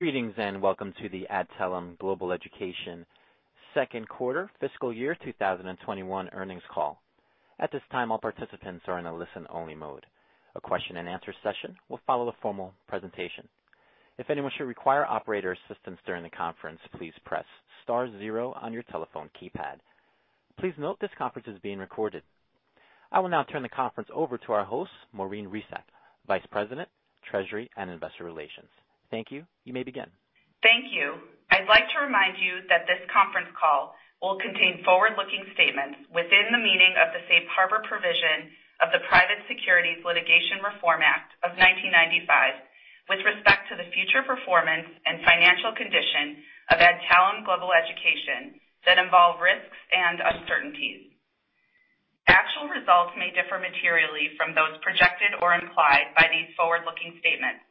Greetings, welcome to the Adtalem second quarter fiscal year 2021 earnings call. At this time, all participants are in a listen-only mode. A question and answer session will follow the formal presentation. If anyone should require operator assistance during the conference, please press star zero on your telephone keypad. Please note this conference is being recorded. I will now turn the conference over to our host, Maureen Resac, Vice President, Treasury and Investor Relations. Thank you. You may begin. Thank you. I'd like to remind you that this conference call will contain forward-looking statements within the meaning of the Safe Harbor provision of the Private Securities Litigation Reform Act of 1995 with respect to the future performance and financial condition of Adtalem Global Education that involve risks and uncertainties. Actual results may differ materially from those projected or implied by these forward-looking statements.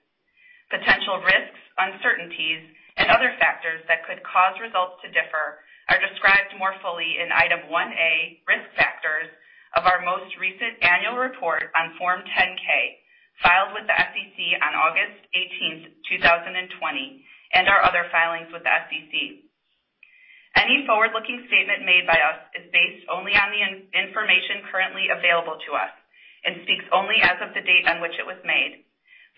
Potential risks, uncertainties, and other factors that could cause results to differ are described more fully in item 1A, Risk Factors, of our most recent annual report on Form 10-K, filed with the SEC on August 18th, 2020, and our other filings with the SEC. Any forward-looking statement made by us is based only on the information currently available to us and speaks only as of the date on which it was made.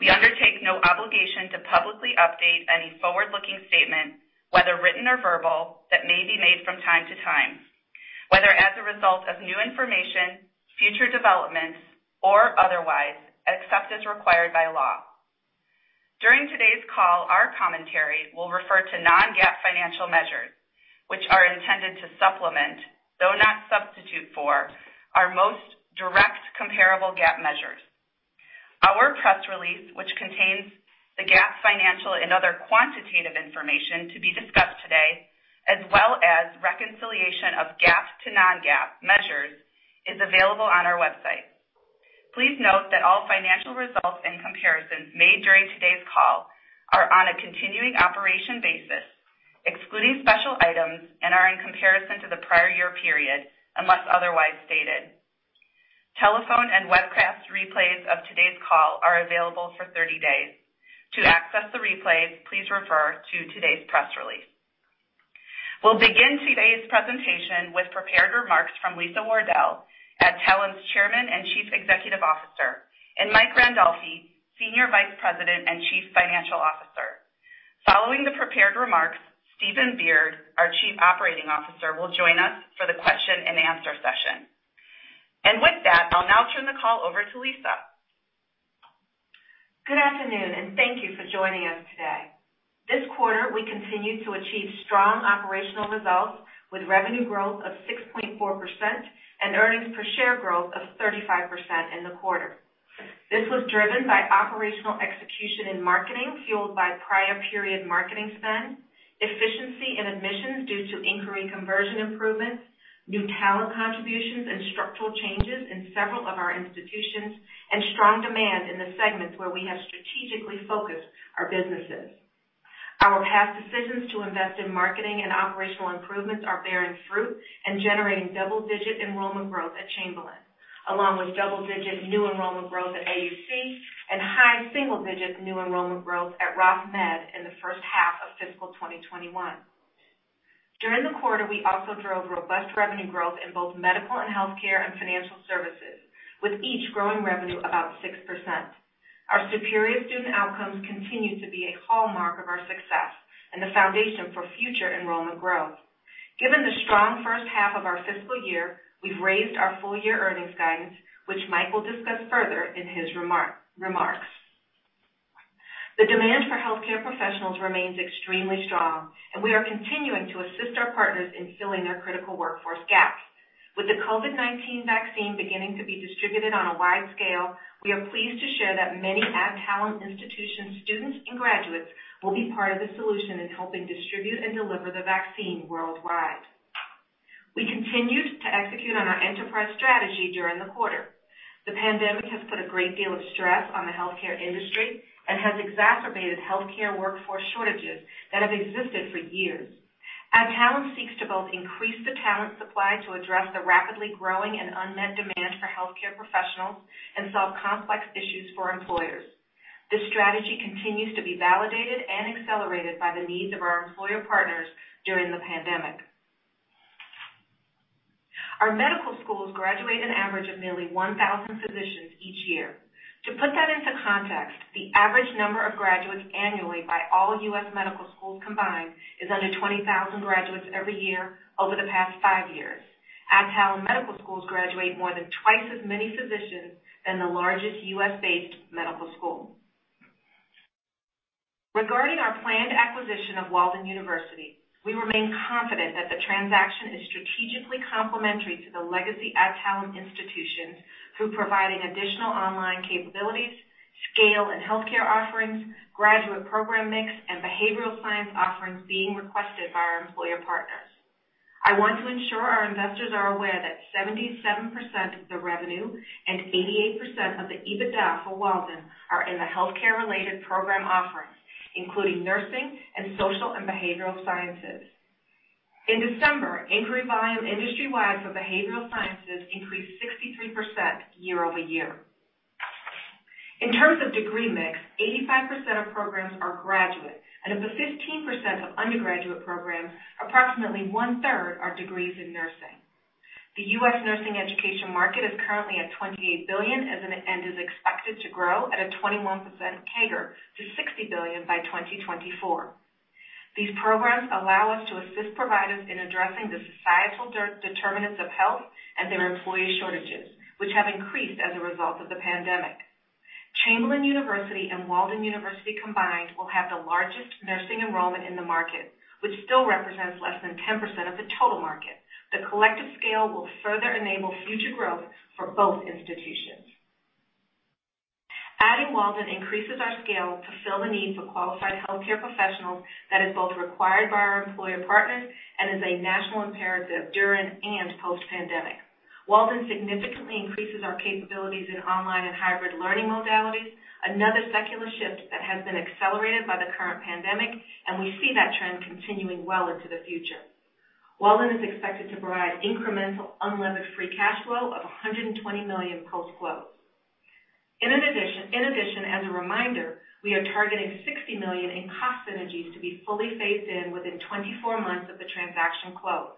We undertake no obligation to publicly update any forward-looking statement, whether written or verbal, that may be made from time to time, whether as a result of new information, future developments, or otherwise, except as required by law. During today's call, our commentary will refer to non-GAAP financial measures, which are intended to supplement, though not substitute for, our most direct comparable GAAP measures. Our press release, which contains the GAAP financial and other quantitative information to be discussed today, as well as reconciliation of GAAP to non-GAAP measures, is available on our website. Please note that all financial results and comparisons made during today's call are on a continuing operation basis, excluding special items, and are in comparison to the prior year period, unless otherwise stated. Telephone and webcast replays of today's call are available for 30 days. To access the replays, please refer to today's press release. We'll begin today's presentation with prepared remarks from Lisa Wardell, Adtalem's Chairman and Chief Executive Officer, and Mike Randolfi, Senior Vice President and Chief Financial Officer. Following the prepared remarks, Stephen Beard, our Chief Operating Officer, will join us for the question and answer session. With that, I'll now turn the call over to Lisa. Good afternoon. Thank you for joining us today. This quarter, we continued to achieve strong operational results with revenue growth of 6.4% and earnings per share growth of 35% in the quarter. This was driven by operational execution and marketing fueled by prior period marketing spend, efficiency in admissions due to inquiry conversion improvements, new talent contributions, and structural changes in several of our institutions, and strong demand in the segments where we have strategically focused our businesses. Our past decisions to invest in marketing and operational improvements are bearing fruit and generating double-digit enrollment growth at Chamberlain, along with double-digit new enrollment growth at AUC and high single-digit new enrollment growth at Ross Med in the first half of fiscal 2021. During the quarter, we also drove robust revenue growth in both medical and healthcare and financial services, with each growing revenue about 6%. Our superior student outcomes continue to be a hallmark of our success and the foundation for future enrollment growth. Given the strong first half of our fiscal year, we've raised our full-year earnings guidance, which Mike will discuss further in his remarks. The demand for healthcare professionals remains extremely strong, and we are continuing to assist our partners in filling their critical workforce gaps. With the COVID-19 vaccine beginning to be distributed on a wide scale, we are pleased to share that many Adtalem institutions, students, and graduates will be part of the solution in helping distribute and deliver the vaccine worldwide. We continued to execute on our enterprise strategy during the quarter. The pandemic has put a great deal of stress on the healthcare industry and has exacerbated healthcare workforce shortages that have existed for years. Adtalem seeks to both increase the talent supply to address the rapidly growing and unmet demand for healthcare professionals and solve complex issues for employers. This strategy continues to be validated and accelerated by the needs of our employer partners during the pandemic. Our medical schools graduate an average of nearly 1,000 physicians each year. To put that into context, the average number of graduates annually by all U.S. medical schools combined is under 20,000 graduates every year over the past five years. Adtalem medical schools graduate more than twice as many physicians than the largest U.S.-based medical school. Regarding our planned acquisition of Walden University, we remain confident that the transaction is strategically complementary to the legacy Adtalem institutions through providing additional online capabilities, scale in healthcare offerings, graduate program mix, and behavioral science offerings being requested by our employer partners. I want to ensure our investors are aware that 77% of the revenue and 88% of the EBITDA for Walden are in the healthcare-related program offerings, including nursing and social and behavioral sciences. In December, inquiry volume industry-wide for behavioral sciences increased 63% year-over-year. In terms of degree mix, 85% of programs are graduate, and of the 15% of undergraduate programs, approximately one-third are degrees in nursing. The U.S. nursing education market is currently at $28 billion and is expected to grow at a 21% CAGR to $60 billion by 2024. These programs allow us to assist providers in addressing the societal determinants of health and their employee shortages, which have increased as a result of the pandemic. Chamberlain University and Walden University combined will have the largest nursing enrollment in the market, which still represents less than 10% of the total market. The collective scale will further enable future growth for both institutions. Adding Walden increases our scale to fill the need for qualified healthcare professionals that is both required by our employer partners and is a national imperative during and post-pandemic. Walden significantly increases our capabilities in online and hybrid learning modalities, another secular shift that has been accelerated by the current pandemic, and we see that trend continuing well into the future. Walden is expected to provide incremental unlevered free cash flow of $120 million post-close. In addition, as a reminder, we are targeting $60 million in cost synergies to be fully phased in within 24 months of the transaction close.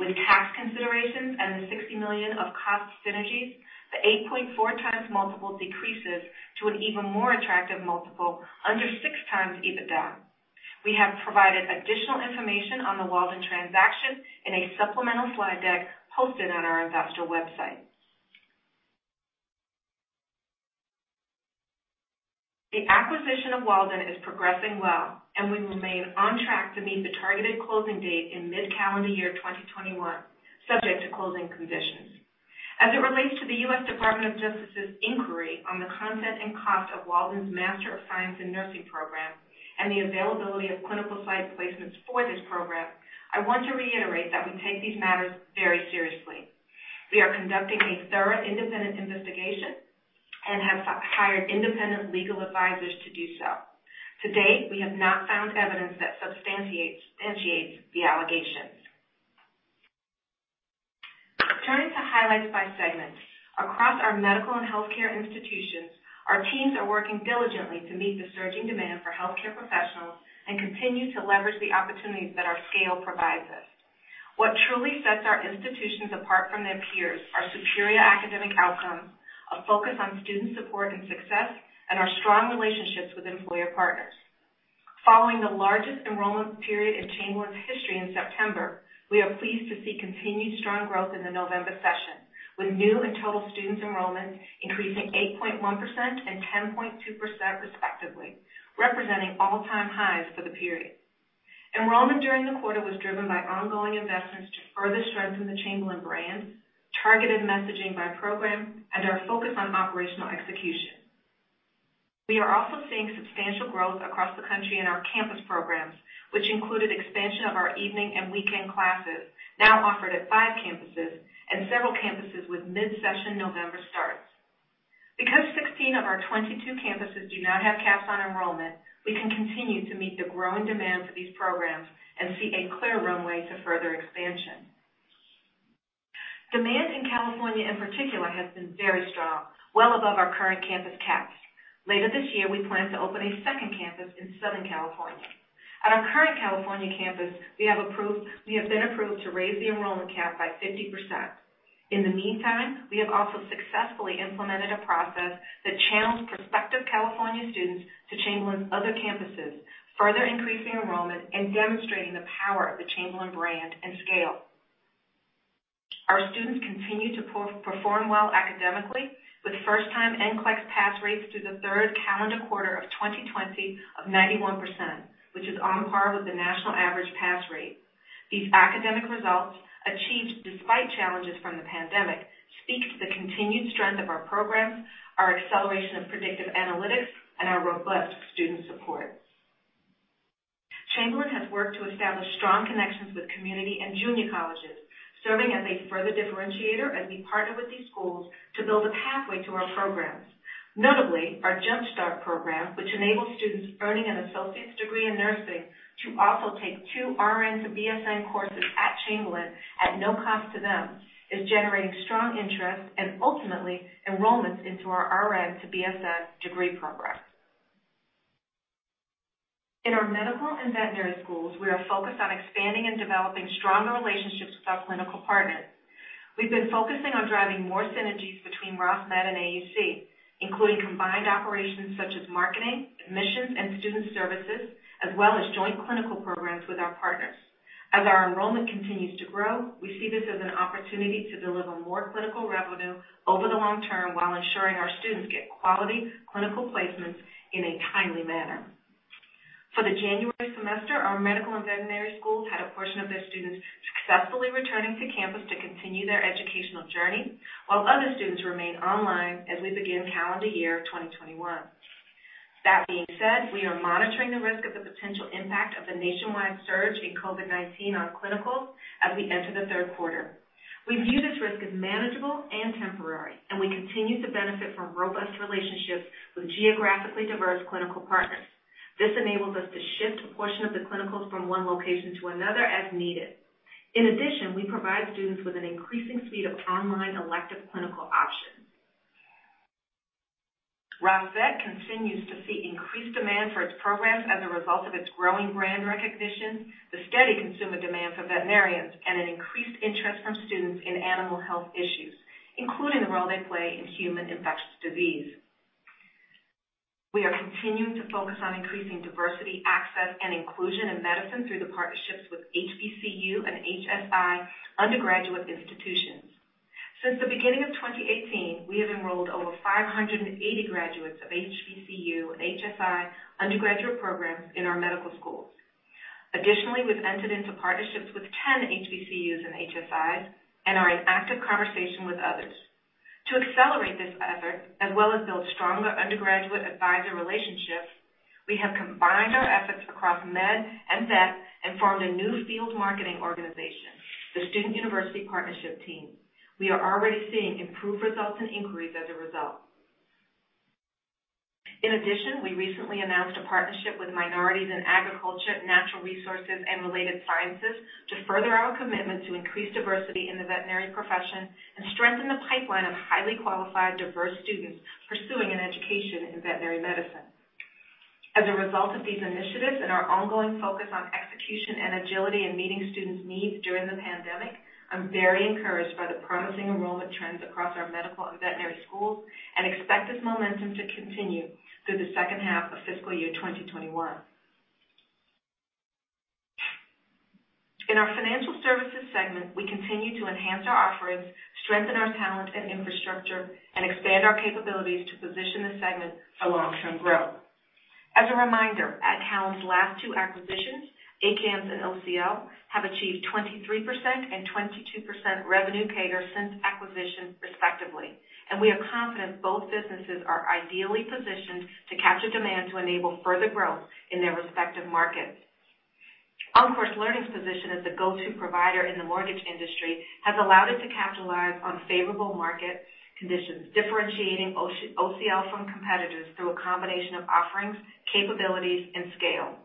With tax considerations and the $60 million of cost synergies, the 8.4x multiple decreases to an even more attractive multiple under 6x EBITDA. We have provided additional information on the Walden transaction in a supplemental slide deck hosted on our investor website. The acquisition of Walden is progressing well, and we remain on track to meet the targeted closing date in mid-calendar year 2021, subject to closing conditions. As it relates to the U.S. Department of Justice's inquiry on the content and cost of Walden's Master of Science in Nursing program and the availability of clinical site placements for this program, I want to reiterate that we take these matters very seriously. We are conducting a thorough independent investigation and have hired independent legal advisors to do so. To-date, we have not found evidence that substantiates the allegations. Turning to highlights by segment. Across our medical and healthcare institutions, our teams are working diligently to meet the surging demand for healthcare professionals and continue to leverage the opportunities that our scale provides us. What truly sets our institutions apart from their peers are superior academic outcomes, a focus on student support and success, and our strong relationships with employer partners. Following the largest enrollment period in Chamberlain's history in September, we are pleased to see continued strong growth in the November session, with new and total students enrollment increasing 8.1% and 10.2% respectively, representing all-time highs for the period. Enrollment during the quarter was driven by ongoing investments to further strengthen the Chamberlain brand, targeted messaging by program, and our focus on operational execution. We are also seeing substantial growth across the country in our campus programs, which included expansion of our evening and weekend classes, now offered at 5 campuses, and several campuses with mid-session November starts. Because 16 of our 22 campuses do not have caps on enrollment, we can continue to meet the growing demand for these programs and see a clear runway to further expansion. Demand in California, in particular, has been very strong, well above our current campus caps. Later this year, we plan to open a second campus in Southern California. At our current California campus, we have been approved to raise the enrollment cap by 50%. In the meantime, we have also successfully implemented a process that channels prospective California students to Chamberlain's other campuses, further increasing enrollment and demonstrating the power of the Chamberlain brand and scale. Our students continue to perform well academically with first-time NCLEX pass rates through the third calendar quarter of 2020 of 91%, which is on par with the national average pass rate. These academic results, achieved despite challenges from the pandemic, speaks to the continued strength of our programs, our acceleration of predictive analytics, and our robust student support. Chamberlain has worked to establish strong connections with community and junior colleges, serving as a further differentiator as we partner with these schools to build a pathway to our programs. Notably, our Jump Start program, which enables students earning an associate's degree in nursing to also take two RN to BSN courses at Chamberlain at no cost to them, is generating strong interest and ultimately enrollments into our RN to BSN degree programs. In our medical and veterinary schools, we are focused on expanding and developing stronger relationships with our clinical partners. We've been focusing on driving more synergies between Ross Med and AUC, including combined operations such as marketing, admissions, and student services, as well as joint clinical programs with our partners. As our enrollment continues to grow, we see this as an opportunity to deliver more clinical revenue over the long term while ensuring our students get quality clinical placements in a timely manner. For the January semester, our medical and veterinary schools had a portion of their students successfully returning to campus to continue their educational journey while other students remain online as we begin calendar year 2021. That being said, we are monitoring the risk of the potential impact of the nationwide surge in COVID-19 on clinical at the end of the third quarter. We view this risk as manageable and temporary. We continue to benefit from robust relationships with geographically diverse clinical partners. This enables us to shift a portion of the clinicals from one location to another as needed. In addition, we provide students with an increasing suite of online elective clinical options. Ross Vet continues to see increased demand for its programs as a result of its growing brand recognition, the steady consumer demand for veterinarians, and an increased interest from students in animal health issues, including the role they play in human infectious disease. We are continuing to focus on increasing diversity, access, and inclusion in medicine through the partnerships with HBCU and HSI undergraduate institutions. Since the beginning of 2018, we have enrolled over 580 graduates of HBCU and HSI undergraduate programs in our medical schools. Additionally, we've entered into partnerships with 10 HBCUs and HSIs and are in active conversation with others. To accelerate this effort, as well as build stronger undergraduate advisor relationships, we have combined our efforts across med and vet and formed a new field marketing organization, the Student University Partnership team. We are already seeing improved results and inquiries as a result. In addition, we recently announced a partnership with Minorities in Agriculture, Natural Resources, and Related Sciences to further our commitment to increase diversity in the veterinary profession and strengthen the pipeline of highly qualified, diverse students pursuing an education in veterinary medicine. As a result of these initiatives and our ongoing focus on execution and agility in meeting students' needs during the pandemic, I'm very encouraged by the promising enrollment trends across our medical and veterinary schools and expect this momentum to continue through the second half of fiscal year 2021. In our financial services segment, we continue to enhance our offerings, strengthen our talent and infrastructure, and expand our capabilities to position the segment for long-term growth. As a reminder, Adtalem's last two acquisitions, ACAMS and OCL, have achieved 23% and 22% revenue CAGR since acquisition, respectively, and we are confident both businesses are ideally positioned to capture demand to enable further growth in their respective markets. OnCourse Learning's position as the go-to provider in the mortgage industry has allowed it to capitalize on favorable market conditions, differentiating OCL from competitors through a combination of offerings, capabilities, and scale.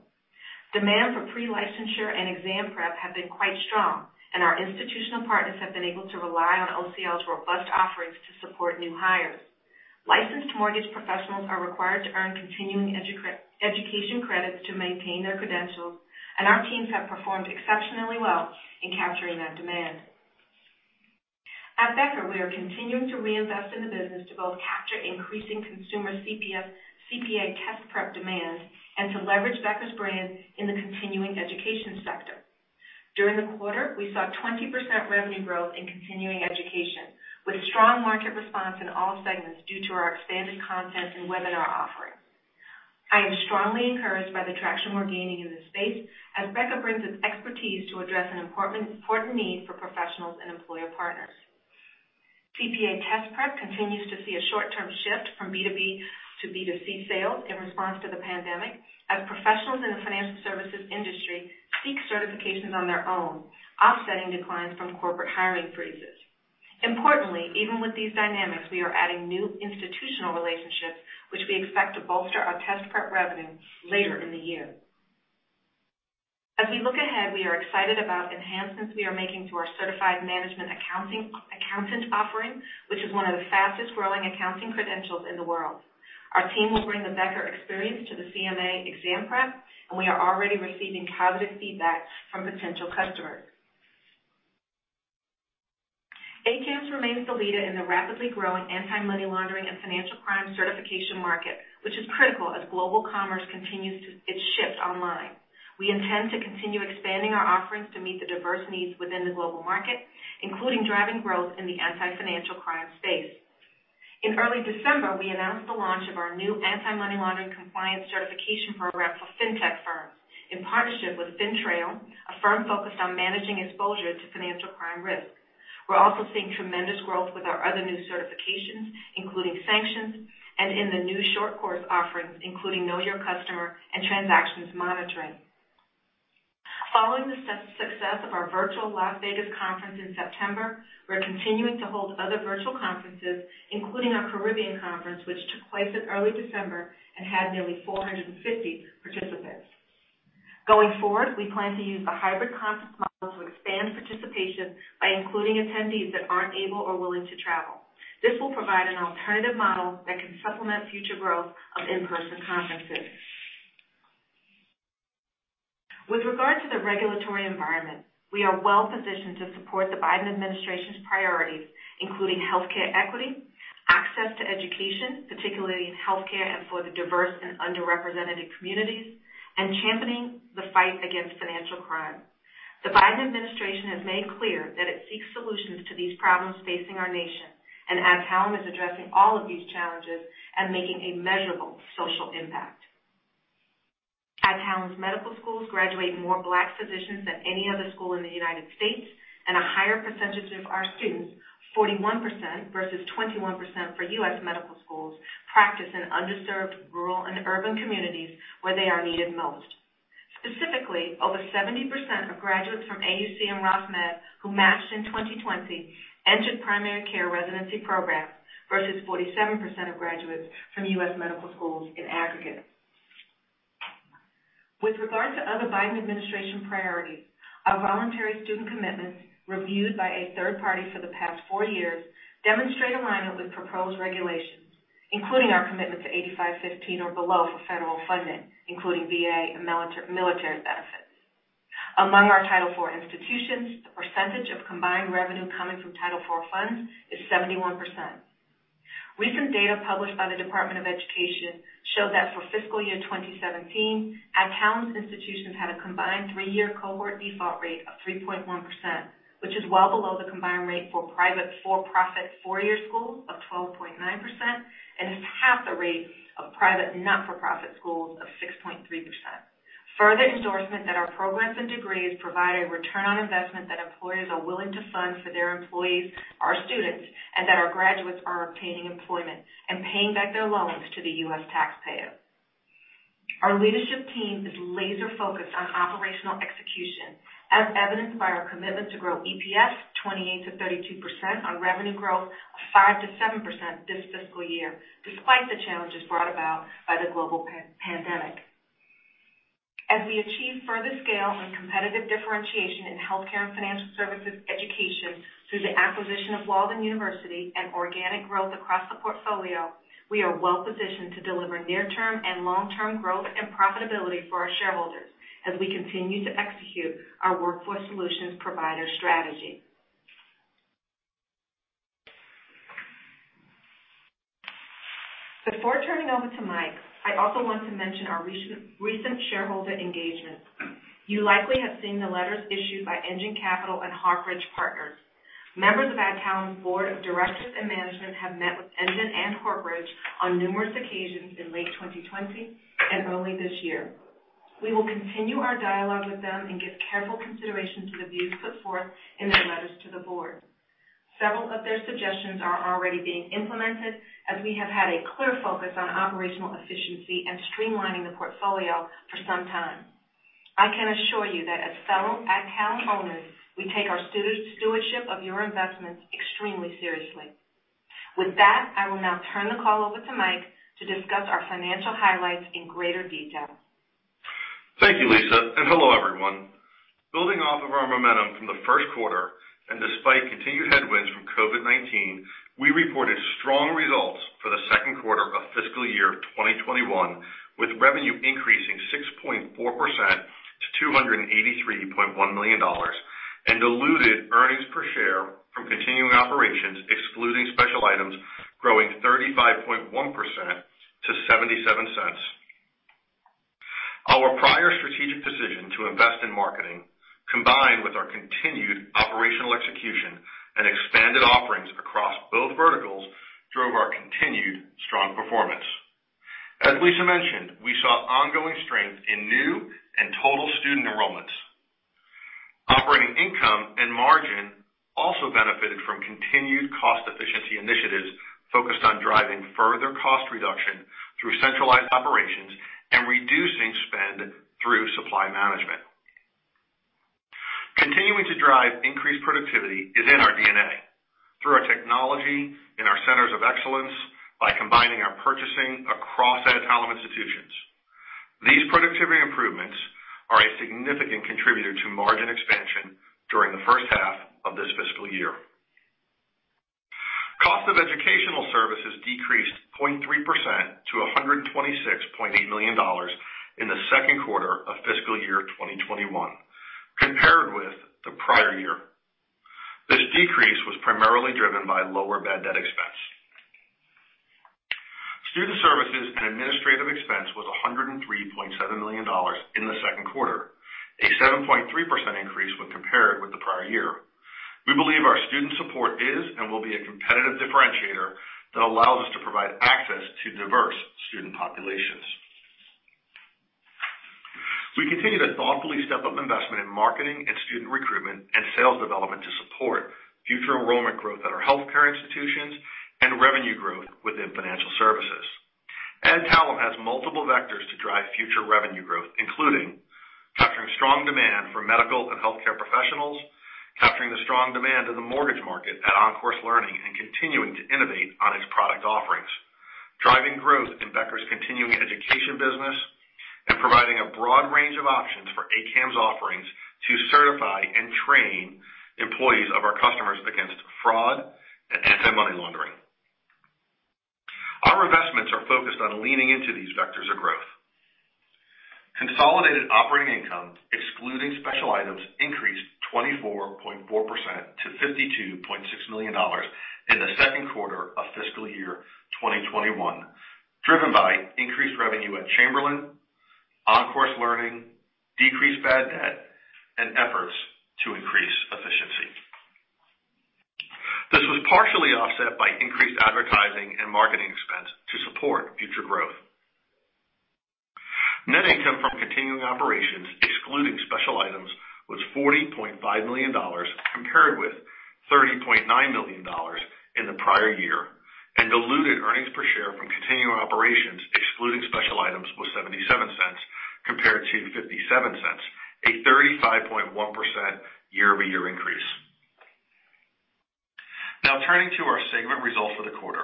Demand for pre-licensure and exam prep have been quite strong, and our institutional partners have been able to rely on OCL's robust offerings to support new hires. Licensed mortgage professionals are required to earn continuing education credits to maintain their credentials, and our teams have performed exceptionally well in capturing that demand. At Becker, we are continuing to reinvest in the business to both capture increasing consumer CPA test prep demand and to leverage Becker's brand in the continuing education sector. During the quarter, we saw 20% revenue growth in continuing education, with a strong market response in all segments due to our expanded content and webinar offerings. I am strongly encouraged by the traction we're gaining in this space as Becker brings its expertise to address an important need for professionals and employer partners. CPA test prep continues to see a short-term shift from B2B to B2C sales in response to the pandemic as professionals in the financial services industry seek certifications on their own, offsetting declines from corporate hiring freezes. Importantly, even with these dynamics, we are adding new institutional relationships, which we expect to bolster our test prep revenue later in the year. As we look ahead, we are excited about enhancements we are making to our Certified Management Accountant offering, which is one of the fastest-growing accounting credentials in the world. Our team will bring the Becker experience to the CMA exam prep, and we are already receiving positive feedback from potential customers. ACAMS remains the leader in the rapidly growing anti-money laundering and financial crime certification market, which is critical as global commerce continues its shift online. We intend to continue expanding our offerings to meet the diverse needs within the global market, including driving growth in the anti-financial crime space. In early December, we announced the launch of our new anti-money laundering compliance certification program for fintech firms in partnership with FINTRAIL, a firm focused on managing exposure to financial crime risk. We're also seeing tremendous growth with our other new certifications, including sanctions, and in the new short course offerings, including Know Your Customer and Transactions Monitoring. Following the success of our virtual Las Vegas conference in September, we're continuing to hold other virtual conferences, including our Caribbean conference, which took place in early December and had nearly 450 participants. Going forward, we plan to use the hybrid conference model to expand participation by including attendees that aren't able or willing to travel. This will provide an alternative model that can supplement future growth of in-person conferences. With regard to the regulatory environment, we are well-positioned to support the Biden administration's priorities, including healthcare equity, access to education, particularly in healthcare and for the diverse and underrepresented communities, and championing the fight against financial crime. The Biden administration has made clear that it seeks solutions to these problems facing our nation, Adtalem is addressing all of these challenges and making a measurable social impact. Adtalem's medical schools graduate more Black physicians than any other school in the United States, and a higher percentage of our students, 41% versus 21% for U.S. medical schools, practice in underserved rural and urban communities where they are needed most. Specifically, over 70% of graduates from AUC and Ross Med who matched in 2020 entered primary care residency programs, versus 47% of graduates from U.S. medical schools in aggregate. With regard to other Biden administration priorities, our voluntary student commitments, reviewed by a third party for the past four years, demonstrate alignment with proposed regulations, including our commitment to 85/15 or below for federal funding, including VA and military benefits. Among our Title IV institutions, the percentage of combined revenue coming from Title IV funds is 71%. Recent data published by the Department of Education show that for fiscal year 2017, Adtalem institutions had a combined three-year cohort default rate of 3.1%, which is well below the combined rate for private for-profit four-year schools of 12.9% and is half the rate of private not-for-profit schools of 6.3%. Further endorsement that our programs and degrees provide a return on investment that employers are willing to fund for their employees, our students, and that our graduates are obtaining employment and paying back their loans to the U.S. taxpayer. Our leadership team is laser-focused on operational execution, as evidenced by our commitment to grow EPS 28%-32% on revenue growth of 5%-7% this fiscal year, despite the challenges brought about by the global pandemic. As we achieve further scale and competitive differentiation in healthcare and financial services education through the acquisition of Walden University and organic growth across the portfolio, we are well-positioned to deliver near-term and long-term growth and profitability for our shareholders as we continue to execute our workforce solutions provider strategy. Before turning over to Mike, I also want to mention our recent shareholder engagement. You likely have seen the letters issued by Engine Capital and Hawk Ridge Partners. Members of Adtalem's board of directors and management have met with Engine and Hawk Ridge on numerous occasions in late 2020 and early this year. We will continue our dialogue with them and give careful consideration to the views put forth in their letters to the board. Several of their suggestions are already being implemented as we have had a clear focus on operational efficiency and streamlining the portfolio for some time. I can assure you that as fellow Adtalem owners, we take our stewardship of your investments extremely seriously. With that, I will now turn the call over to Mike to discuss our financial highlights in greater detail. Thank you, Lisa, and hello, everyone. Building off of our momentum from the first quarter, and despite continued headwinds from COVID-19, we reported strong results for the second quarter of fiscal year 2021, with revenue increasing 6.4% to $283.1 million and diluted earnings per share from continuing operations excluding special items growing 35.1% to $0.77. Our prior strategic decision to invest in marketing, combined with our continued operational execution and expanded offerings across both verticals, drove our continued strong performance. As Lisa mentioned, we saw ongoing strength in new and total student enrollments. Operating income and margin also benefited from continued cost efficiency initiatives focused on driving further cost reduction through centralized operations and reducing spend through supply management. Continuing to drive increased productivity is in our DNA, through our technology in our centers of excellence by combining our purchasing across Adtalem institutions. These productivity improvements are a significant contributor to margin expansion during the first half of this fiscal year. Cost of educational services decreased 0.3% to $126.8 million in the second quarter of fiscal year 2021, compared with the prior year. This decrease was primarily driven by lower bad debt expense. Student services and administrative expense was $103.7 million in the second quarter, a 7.3% increase when compared with the prior year. We believe our student support is and will be a competitive differentiator that allows us to provide access to diverse student populations. We continue to thoughtfully step up investment in marketing and student recruitment and sales development to support future enrollment growth at our healthcare institutions and revenue growth within financial services. Adtalem has multiple vectors to drive future revenue growth, including capturing strong demand for medical and healthcare professionals, capturing the strong demand in the mortgage market at OnCourse Learning and continuing to innovate on its product offerings, driving growth in Becker's continuing education business, and providing a broad range of options for ACAMS offerings to certify and train employees of our customers against fraud and anti-money laundering. Our investments are focused on leaning into these vectors of growth. Consolidated operating income, excluding special items, increased 24.4% to $52.6 million in the second quarter of fiscal year 2021, driven by increased revenue at Chamberlain, OnCourse Learning, decreased bad debt, and efforts to increase efficiency. This was partially offset by increased advertising and marketing expense to support future growth. Net income from continuing operations, excluding special items, was $40.5 million, compared with $30.9 million in the prior year. Diluted earnings per share from continuing operations, excluding special items, was $0.77 compared to $0.57, a 35.1% year-over-year increase. Now turning to our segment results for the quarter.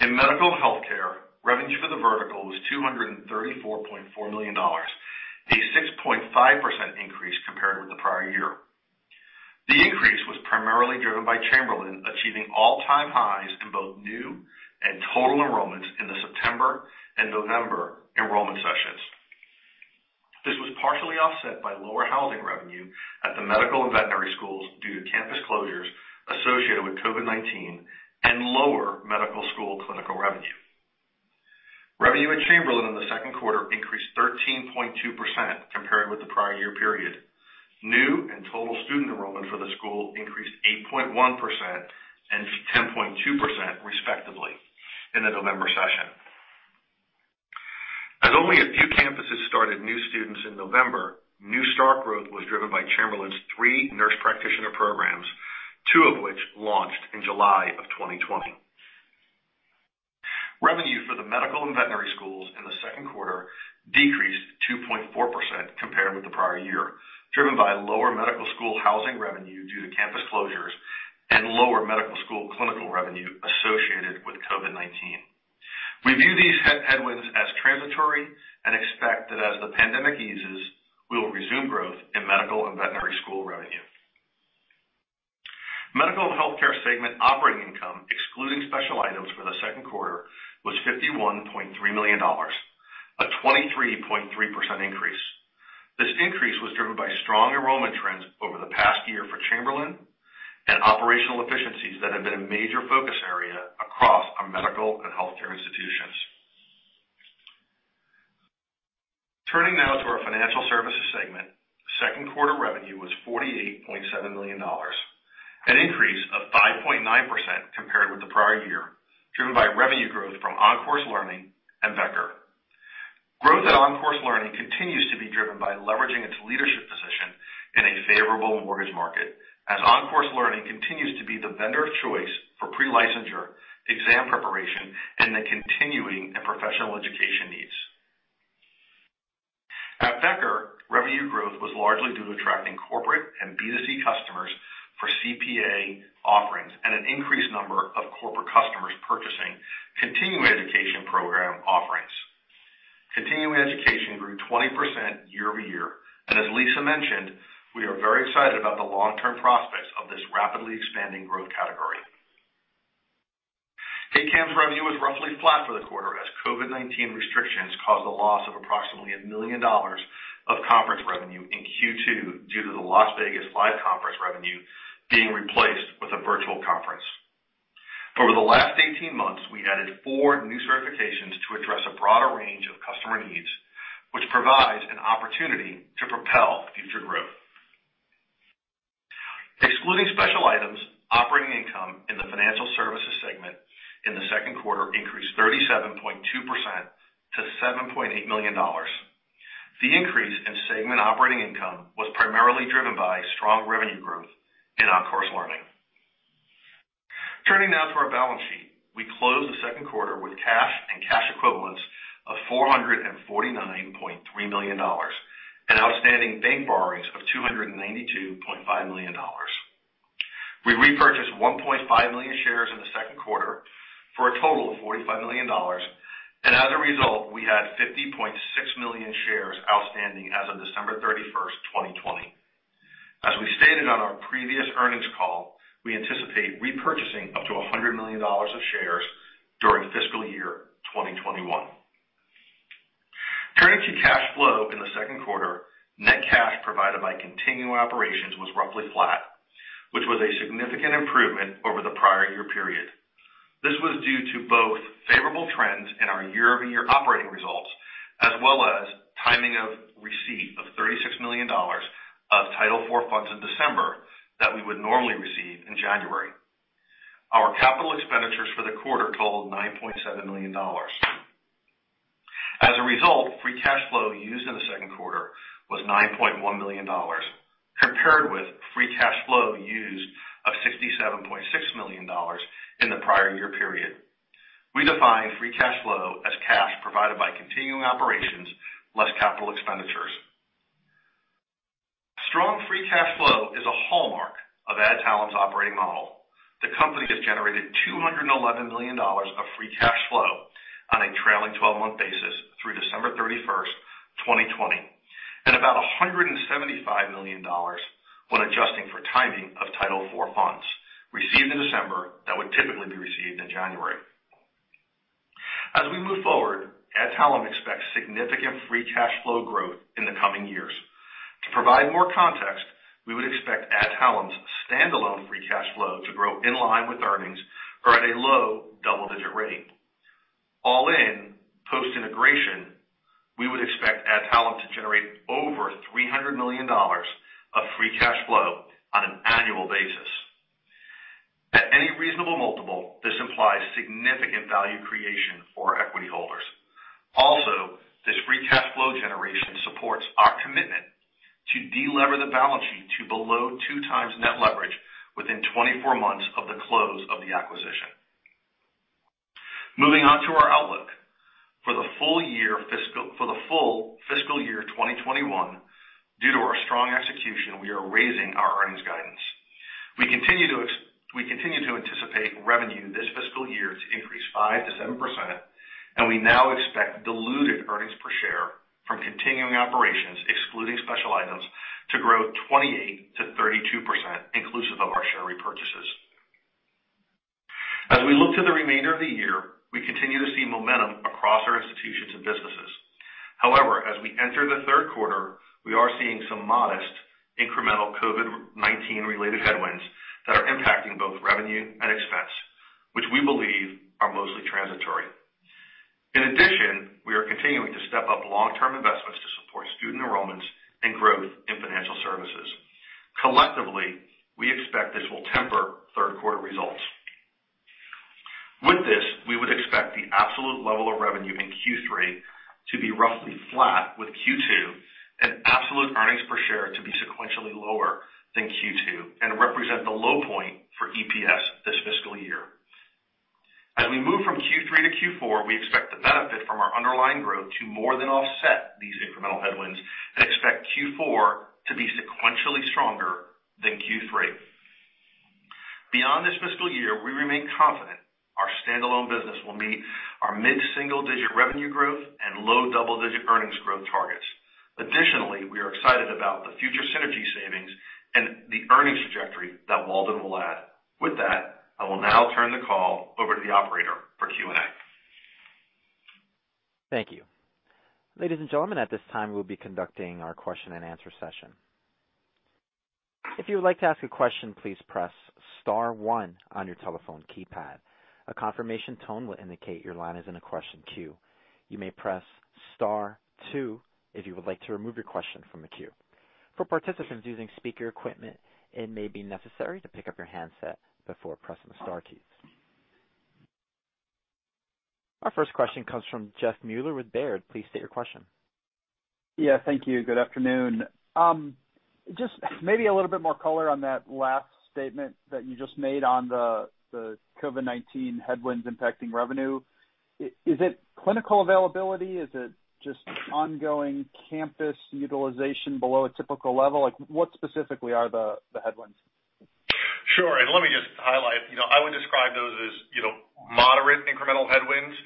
In medical healthcare, revenue for the vertical was $234.4 million, a 6.5% increase compared with the prior year. The increase was primarily driven by Chamberlain achieving all-time highs in both new and total enrollments in the September and November enrollment sessions. This was partially offset by lower housing revenue at the medical and veterinary schools due to campus closures associated with COVID-19 and lower medical school clinical revenue. Revenue at Chamberlain in the second quarter increased 13.2% compared with the prior year period. New and total student enrollment for the school increased 8.1% and 10.2%, respectively, in the November session. As only a few campuses started new students in November, new start growth was driven by Chamberlain's three nurse practitioner programs, two of which launched in July of 2020. Revenue for the medical and veterinary schools in the second quarter decreased 2.4% compared with the prior year, driven by lower medical school housing revenue due to campus closures and lower medical school clinical revenue associated with COVID-19. We view these headwinds as transitory and expect that as the pandemic eases, we will resume growth in medical and veterinary school revenue. Medical and Healthcare segment operating income, excluding special items for the second quarter, was $51.3 million, a 23.3% increase. This increase was driven by strong enrollment trends over the past year for Chamberlain and operational efficiencies that have been a major focus area across our medical and healthcare institutions. Turning now to our Financial Services segment. Second quarter revenue was $48.7 million, an increase of 5.9% compared with the prior year, driven by revenue growth from OnCourse Learning and Becker. Growth at OnCourse Learning continues to be driven by leveraging its leadership position in a favorable mortgage market, as OnCourse Learning continues to be the vendor of choice for pre-licensure exam preparation and the continuing and professional education needs. At Becker, revenue growth was largely due to attracting corporate and B2C customers for CPA offerings and an increased number of corporate customers purchasing continuing education program offerings. Continuing education grew 20% year-over-year, and as Lisa mentioned, we are very excited about the long-term prospects of this rapidly expanding growth category. ACAMS' revenue was roughly flat for the quarter as COVID-19 restrictions caused a loss of approximately $1 million of conference revenue in Q2 due to the Las Vegas live conference revenue being replaced with a virtual conference. Over the last 18 months, we added four new certifications to address a broader range of customer needs, which provides an opportunity to propel future growth. Excluding special items, operating income in the financial services segment in the second quarter increased 37.2% to $7.8 million. The increase in segment operating income was primarily driven by strong revenue growth in OnCourse Learning. Turning now to our balance sheet. We closed the second quarter with cash and cash equivalents of $449.3 million, and outstanding bank borrowings of $292.5 million. We repurchased 1.5 million shares in the second quarter for a total of $45 million. As a result, we had 50.6 million shares outstanding as of December 31st, 2020. As we stated on our previous earnings call, we anticipate repurchasing up to $100 million of shares during fiscal year 2021. Turning to cash flow in the second quarter, net cash provided by continuing operations was roughly flat, which was a significant improvement over the prior year period. This was due to both favorable trends in our year-over-year operating results, as well as timing of receipt of $36 million of Title IV funds in December that we would normally receive in January. Our capital expenditures for the quarter totaled $9.7 million. As a result, free cash flow used in the second quarter was $9.1 million, compared with free cash flow used of $67.6 million in the prior year period. We define free cash flow as cash provided by continuing operations, less capital expenditures. Strong free cash flow is a hallmark of Adtalem's operating model. The company has generated $211 million of free cash flow on a trailing 12-month basis through December 31st, 2020, and about $175 million when adjusting for timing of Title IV funds received in December that would typically be received in January. As we move forward, Adtalem expects significant free cash flow growth in the coming years. To provide more context, we would expect Adtalem's standalone free cash flow to grow in line with earnings or at a low double-digit rate. All in, post-integration, we would expect Adtalem to generate over $300 million of free cash flow on an annual basis. At any reasonable multiple, this implies significant value creation for equity holders. Flow generation supports our commitment to de-lever the balance sheet to below 2 times net leverage within 24 months of the close of the acquisition. Moving on to our outlook. For the full fiscal year 2021, due to our strong execution, we are raising our earnings guidance. We continue to anticipate revenue this fiscal year to increase 5%-7%, and we now expect diluted earnings per share from continuing operations, excluding special items, to grow 28%-32% inclusive of our share repurchases. As we look to the remainder of the year, we continue to see momentum across our institutions and businesses. As we enter the third quarter, we are seeing some modest incremental COVID-19 related headwinds that are impacting both revenue and expense, which we believe are mostly transitory. In addition, we are continuing to step up long-term investments to support student enrollments and growth in financial services. Collectively, we expect this will temper third quarter results. With this, we would expect the absolute level of revenue in Q3 to be roughly flat with Q2 and absolute earnings per share to be sequentially lower than Q2 and represent the low point for EPS this fiscal year. As we move from Q3 to Q4, we expect the benefit from our underlying growth to more than offset these incremental headwinds and expect Q4 to be sequentially stronger than Q3. Beyond this fiscal year, we remain confident our standalone business will meet our mid-single-digit revenue growth and low-double-digit earnings growth targets. Additionally, we are excited about the future synergy savings and the earnings trajectory that Walden will add. With that, I will now turn the call over to the operator for Q&A. Thank you. Ladies and gentlemen, at this time, we will be conducting our question and answer session. If you would like to ask a question, please press star one on your telephone keypad. A confirmation tone will indicate your line is in a question queue. You may press star two if you would like to remove your question from the queue. For participants using speaker equipment, it may be necessary to pick up your handset before pressing star one. Our first question comes from Jeff Meuler with Baird. Please state your question. Yeah. Thank you. Good afternoon. Just maybe a little bit more color on that last statement that you just made on the COVID-19 headwinds impacting revenue. Is it clinical availability? Is it just ongoing campus utilization below a typical level? What specifically are the headwinds? Sure. Let me just highlight. I would describe those as moderate incremental headwinds.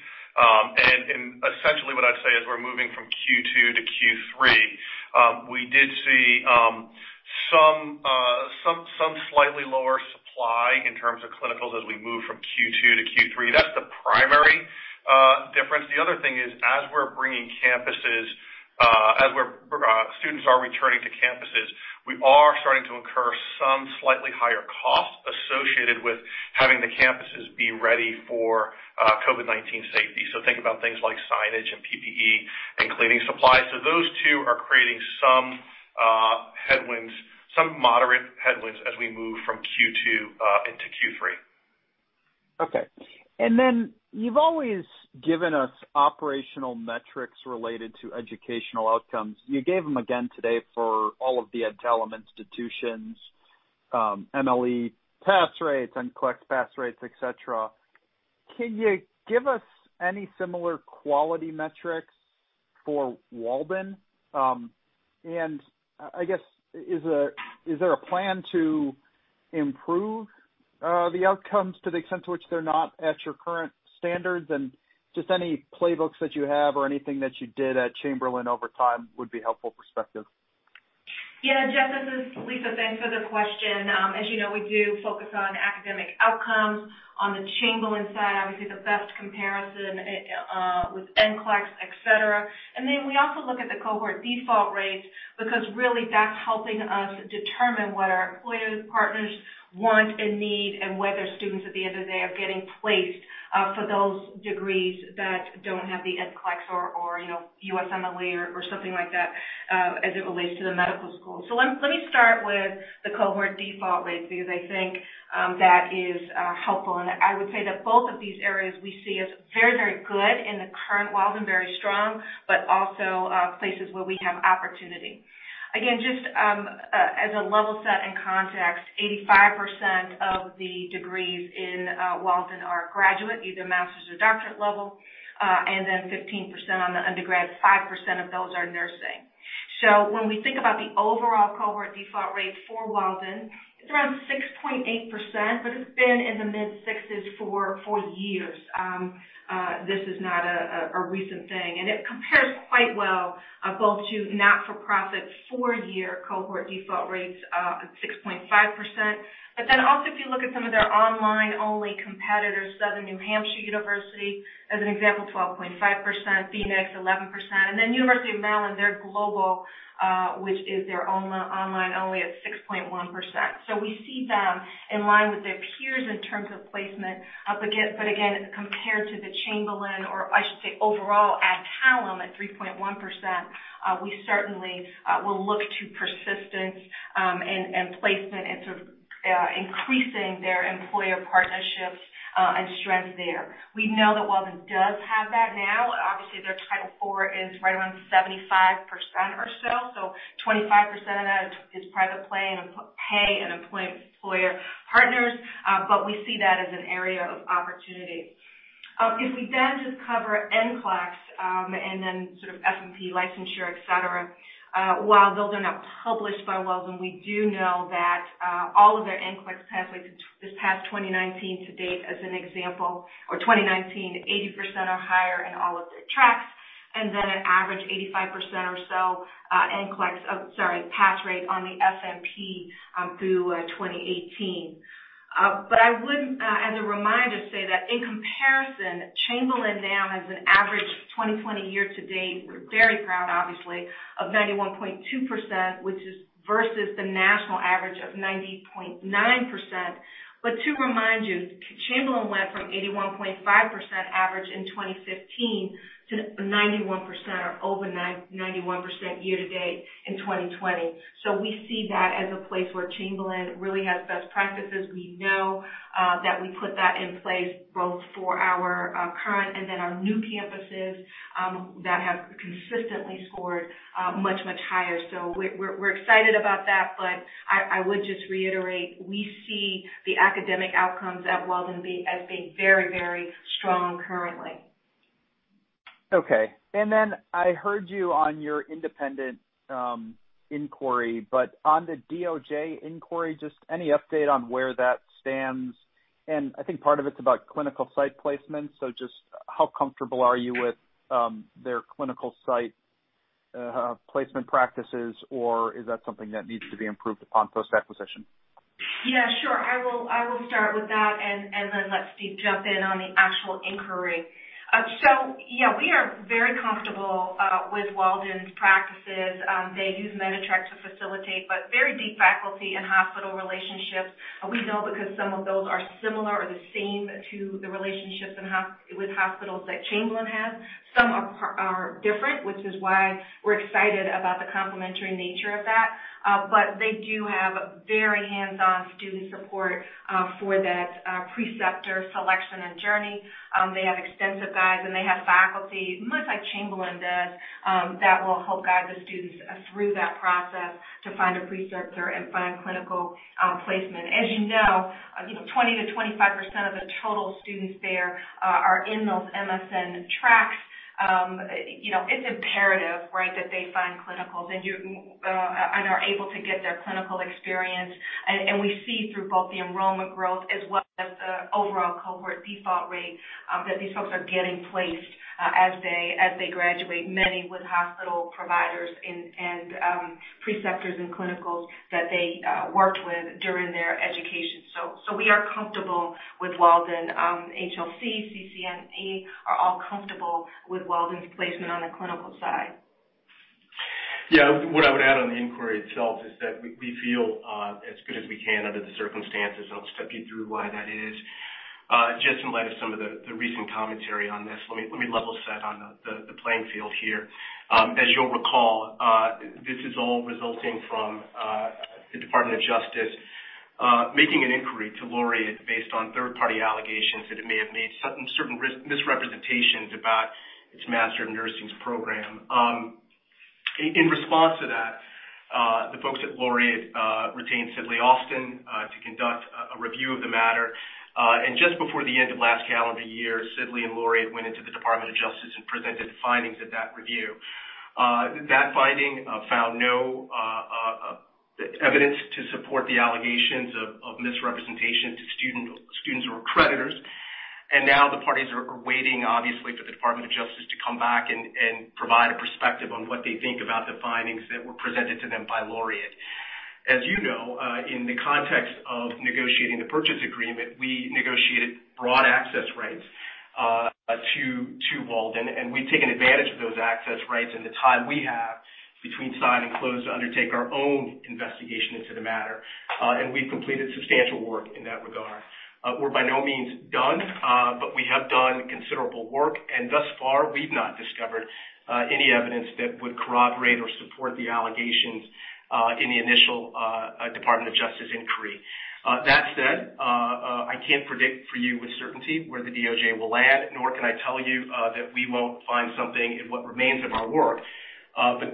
Essentially what I'd say is we're moving from Q2 to Q3. We did see some slightly lower supply in terms of clinicals as we move from Q2 to Q3. That's the primary difference. The other thing is, as students are returning to campuses, we are starting to incur some slightly higher costs associated with having the campuses be ready for COVID-19 safety. Think about things like signage and PPE and cleaning supplies. Those two are creating some moderate headwinds as we move from Q2 into Q3. Okay. Then you've always given us operational metrics related to educational outcomes. You gave them again today for all of the Adtalem institutions, USMLE pass rates, NCLEX pass rates, et cetera. Can you give us any similar quality metrics for Walden? I guess, is there a plan to improve the outcomes to the extent to which they're not at your current standards? Just any playbooks that you have or anything that you did at Chamberlain over time would be helpful perspective. Yeah. Jeff, this is Lisa. Thanks for the question. As you know, we do focus on academic outcomes. On the Chamberlain side, obviously the best comparison with NCLEX, et cetera. Then we also look at the cohort default rates, because really that's helping us determine what our employer partners want and need and whether students at the end of the day are getting placed for those degrees that don't have the NCLEX or USMLE or something like that as it relates to the medical school. Let me start with the cohort default rates, because I think that is helpful, and I would say that both of these areas we see as very good in the current Walden, very strong, but also places where we have opportunity. Again, just as a level set and context, 85% of the degrees in Walden are graduate, either master's or doctorate level, and then 15% on the undergrad, 5% of those are nursing. When we think about the overall cohort default rate for Walden, it's around 6.8%, but it's been in the mid-6s for years. This is not a recent thing. It compares quite well both to not-for-profit four-year cohort default rates at 6.5%. Then also if you look at some of their online-only competitors, Southern New Hampshire University, as an example, 12.5%, Phoenix, 11%. Then University of Maryland, their global, which is their online only at 6.1%. We see them in line with their peers in terms of placement. Again, compared to the Chamberlain, or I should say overall Adtalem at 3.1%, we certainly will look to persistence and placement and to increasing their employer partnerships and strength there. We know that Walden does have that now. Obviously, their Title IV is right around 75% or so. 25% of that is private pay and employment employer partners. We see that as an area of opportunity. If we then just cover NCLEX, and then sort of FNP licensure, et cetera, while those are not published by Walden, we do know that all of their NCLEX pass rates this past 2019 to date, as an example, or 2019, 80% or higher in all of their tracks, and then an average 85% or so NCLEX, sorry, pass rate on the FNP through 2018. I would, as a reminder, say that in comparison, Chamberlain now has an average 2020 year-to-date, we're very proud, obviously, of 91.2%, which is versus the national average of 90.9%. To remind you, Chamberlain went from 81.5% average in 2015 to 91% or over 91% year-to-date in 2020. We see that as a place where Chamberlain really has best practices. We know that we put that in place both for our current and then our new campuses that have consistently scored much, much higher. We're excited about that, but I would just reiterate, we see the academic outcomes at Walden as being very, very strong currently. Okay. I heard you on your independent inquiry, on the DOJ inquiry, just any update on where that stands? I think part of it's about clinical site placement, just how comfortable are you with their clinical site placement practices, or is that something that needs to be improved upon post-acquisition? Yeah, sure. I will start with that and then let Steve jump in on the actual inquiry. Yeah, we are very comfortable with Walden's practices. They use MediTract to facilitate, but very deep faculty and hospital relationships. We know because some of those are similar or the same to the relationships with hospitals that Chamberlain has. Some are different, which is why we're excited about the complementary nature of that. They do have very hands-on student support for that preceptor selection and journey. They have extensive guides, and they have faculty, much like Chamberlain does, that will help guide the students through that process to find a preceptor and find clinical placement. As you know, 20%-25% of the total students there are in those MSN tracks. It's imperative that they find clinicals and are able to get their clinical experience. We see through both the enrollment growth as well as the overall cohort default rate, that these folks are getting placed as they graduate, many with hospital providers and preceptors and clinicals that they worked with during their education. We are comfortable with Walden. HLC, CCNE are all comfortable with Walden's placement on the clinical side. Yeah. What I would add on the inquiry itself is that we feel as good as we can under the circumstances, and I'll step you through why that is. Just in light of some of the recent commentary on this, let me level set on the playing field here. As you'll recall, this is all resulting from the Department of Justice making an inquiry to Laureate based on third-party allegations that it may have made certain misrepresentations about its Master of Nursing program. In response to that, the folks at Laureate retained Sidley Austin to conduct a review of the matter. Just before the end of last calendar year, Sidley and Laureate went into the Department of Justice and presented the findings of that review. That finding found no evidence to support the allegations of misrepresentation to students or accreditors. Now the parties are waiting, obviously, for the Department of Justice to come back and provide a perspective on what they think about the findings that were presented to them by Laureate. As you know, in the context of negotiating the purchase agreement, we negotiated broad access rights to Walden, and we've taken advantage of those access rights in the time we have between sign and close to undertake our own investigation into the matter. We've completed substantial work in that regard. We're by no means done, but we have done considerable work, and thus far, we've not discovered any evidence that would corroborate or support the allegations in the initial Department of Justice inquiry. That said, I can't predict for you with certainty where the DOJ will land, nor can I tell you that we won't find something in what remains of our work.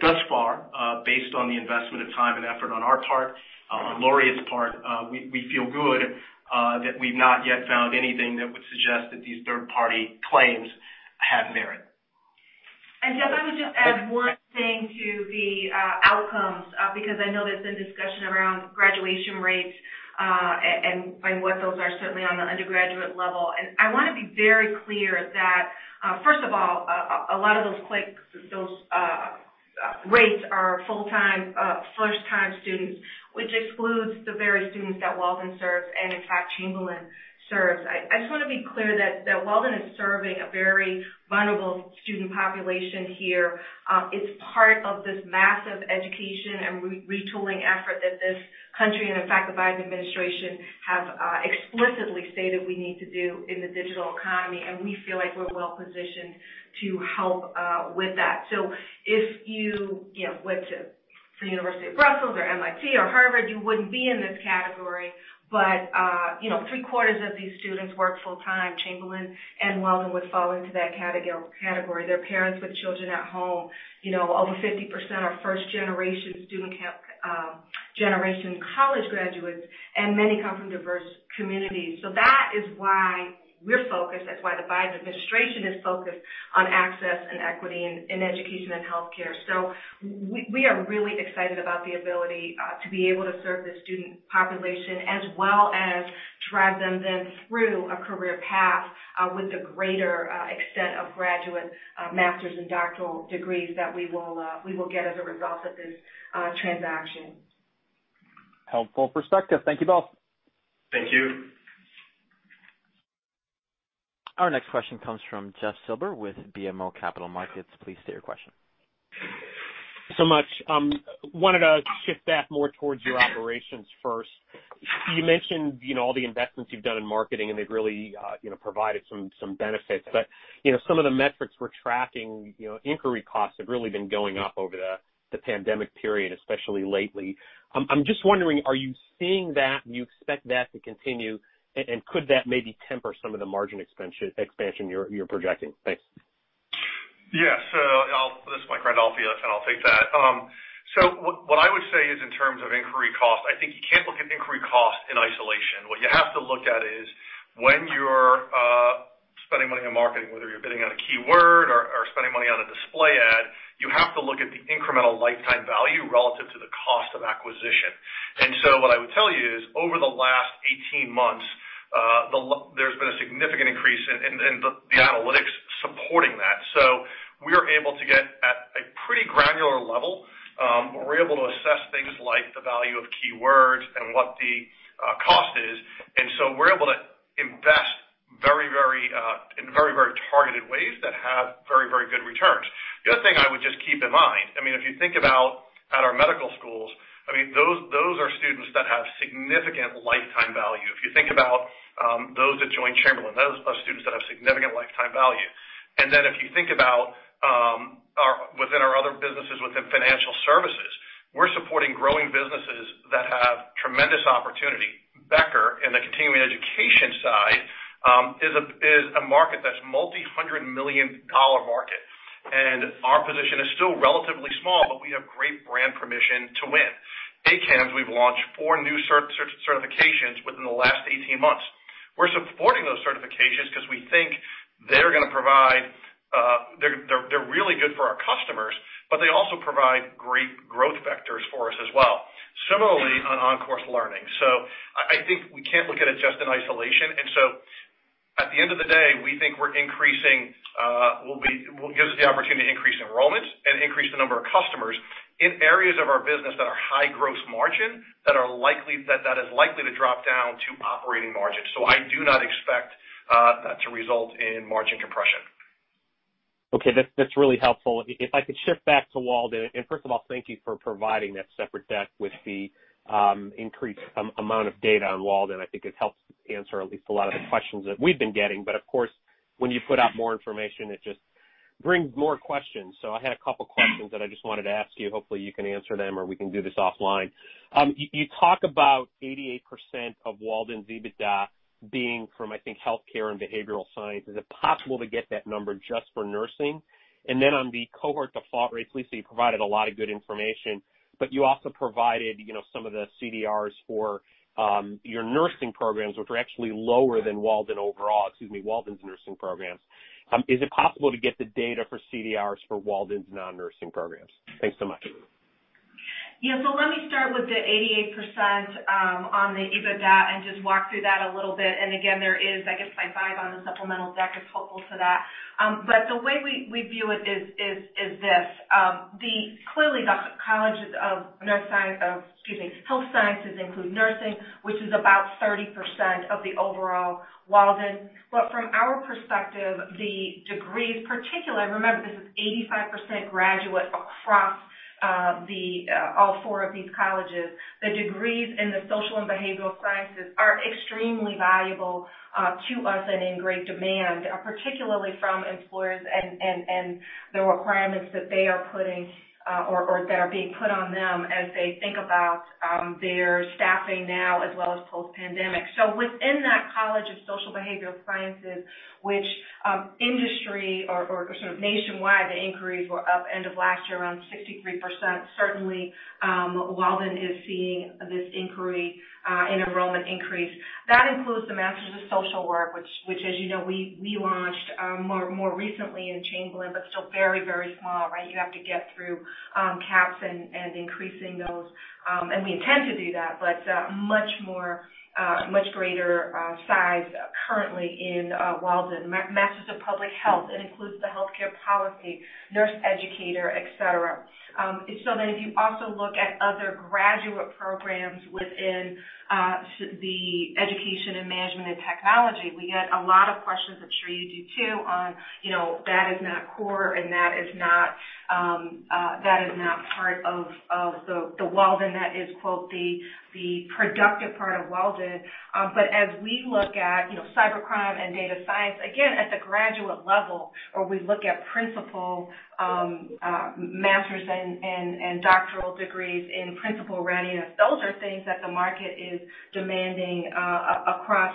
Thus far, based on the investment of time and effort on our part, on Laureate's part, we feel good that we've not yet found anything that would suggest that these third-party claims have merit. Jeff, I would just add one thing to the outcomes, because I know there's been discussion around graduation rates, and what those are certainly on the undergraduate level. I want to be very clear that, first of all, a lot of those rates are full-time, first-time students, which excludes the very students that Walden serves, and in fact, Chamberlain serves. I just want to be clear that Walden is serving a very vulnerable student population here. It's part of this massive education and retooling effort that this country, and in fact, the Biden administration have explicitly stated we need to do in the digital economy, and we feel like we're well-positioned to help with that. If you went to the University of Brussels or MIT or Harvard, you wouldn't be in this category. Three-quarters of these students work full-time. Chamberlain and Walden would fall into that category. They're parents with children at home. Over 50% are first-generation college graduates, many come from diverse communities. That is why we're focused, that's why the Biden administration is focused on access and equity in education and healthcare. We are really excited about the ability to be able to serve the student population as well as drive them then through a career path with the greater extent of graduate master's and doctoral degrees that we will get as a result of this transaction. Helpful perspective. Thank you both. Thank you. Our next question comes from Jeff Silber with BMO Capital Markets. Please state your question. Thanks so much. I wanted to shift back more towards your operations first. You mentioned all the investments you've done in marketing, and they've really provided some benefits. Some of the metrics we're tracking, inquiry costs have really been going up over the pandemic period, especially lately. I'm just wondering, are you seeing that and you expect that to continue? Could that maybe temper some of the margin expansion you're projecting? Thanks. Yes. This is Mike Randolfi, and I'll take that. What I would say is in terms of inquiry cost, I think you can't look at inquiry cost in isolation. What you have to look at is when you're spending money on marketing, whether you're bidding on a keyword or spending money on a display ad, you have to look at the incremental lifetime value relative to the cost of acquisition. What I would tell you is, over the last 18 months, there's been a significant increase in the analytics supporting that. We are able to get at a pretty granular level. We're able to assess things like the value of keywords and what the cost is. We're able to invest in very targeted ways that have very good returns. The other thing I would just keep in mind, if you think about at our medical schools, those are students that have significant lifetime value. If you think about those that join Chamberlain, those are students that have significant lifetime value. Then if you think about within our other businesses, within financial services, we're supporting growing businesses that have tremendous opportunity. Becker and the continuing education side is a market that's multi-hundred million dollar market, and our position is still relatively small, but we have great brand permission to win. ACAMS, we've launched four new certifications within the last 18 months. We're supporting those certifications because we think they're really good for our customers, but they also provide great growth vectors for us as well. Similarly, on OnCourse Learning. I think we can't look at it just in isolation. At the end of the day, we think it gives us the opportunity to increase enrollments and increase the number of customers in areas of our business that are high gross margin, that is likely to drop down to operating margin. I do not expect that to result in margin compression. That's really helpful. If I could shift back to Walden, first of all, thank you for providing that separate deck with the increased amount of data on Walden. I think it helps answer at least a lot of the questions that we've been getting. Of course, when you put out more information, it just brings more questions. I had a couple questions that I just wanted to ask you. Hopefully, you can answer them or we can do this offline. You talk about 88% of Walden's EBITDA being from, I think, healthcare and behavioral science. Is it possible to get that number just for nursing? Then on the cohort default rates, Lisa, you provided a lot of good information, but you also provided some of the CDRs for your nursing programs, which were actually lower than Walden's nursing programs. Is it possible to get the data for CDRs for Walden's non-nursing programs? Thanks so much. Yeah. Let me start with the 88% on the EBITDA and just walk through that a little bit. Again, there is, I guess, slide five on the supplemental deck is helpful to that. The way we view it is this: clearly the College of Health Sciences include nursing, which is about 30% of the overall Walden. From our perspective, the degrees particularly, remember, this is 85% graduate across all four of these colleges. The degrees in the social and behavioral sciences are extremely valuable to us and in great demand, particularly from employers and the requirements that they are putting or that are being put on them as they think about their staffing now as well as post-pandemic. Within that College of Social and Behavioral Sciences, which industry or sort of nationwide, the inquiries were up end of last year, around 63%. Certainly, Walden is seeing this inquiry and enrollment increase. That includes the Master of Social Work, which as you know, we launched more recently in Chamberlain, but still very small. You have to get through caps and increasing those. We intend to do that, but much greater size currently in Walden. Master of Public Health, it includes the healthcare policy, nurse educator, et cetera. If you also look at other graduate programs within the education and management and technology, we get a lot of questions, I'm sure you do too, on that is not core and that is not part of the Walden. That is, quote, "The productive part of Walden University." As we look at cybercrime and data science, again, at the graduate level, or we look at principal masters and doctoral degrees in principal readiness, those are things that the market is demanding across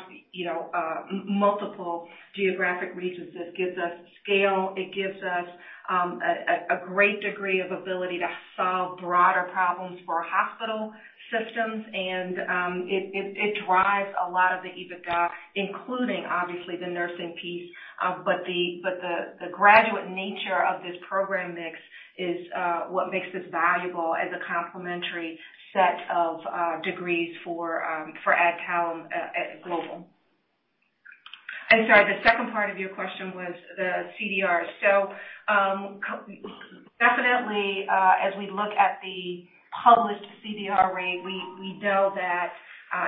multiple geographic regions. This gives us scale. It gives us a great degree of ability to solve broader problems for hospital systems. It drives a lot of the EBITDA, including, obviously, the nursing piece. The graduate nature of this program mix is what makes this valuable as a complementary set of degrees for Adtalem Global Education. Sorry, the second part of your question was the CDR. Definitely, as we look at the published CDR rate, we know that